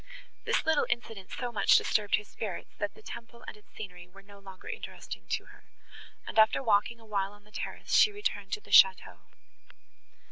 This little incident so much disturbed her spirits, that the temple and its scenery were no longer interesting to her, and, after walking a while on the terrace, she returned to the château.